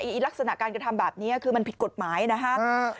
ลักษณะการกระทำแบบนี้คือมันผิดกฎหมายนะครับ